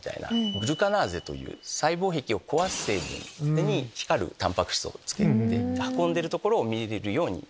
グルカナーゼという細胞壁を壊す成分に光るタンパク質をつけて運んでるところを見れるように。